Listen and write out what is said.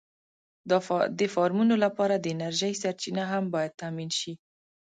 د فارمونو لپاره د انرژۍ سرچینه هم باید تأمېن شي.